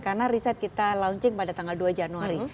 karena riset kita launching pada tanggal dua januari